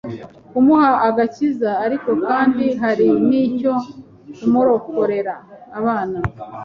kumuha agakiza ariko kandi hari n’icyo kumurokorera abana